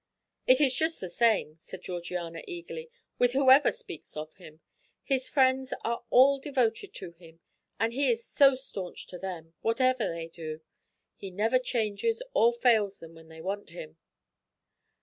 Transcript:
"It is just the same," said Georgiana eagerly, "with whoever speaks of him. His friends are all devoted to him, and he is so staunch to them, whatever they do; he never changes, or fails them when they want him."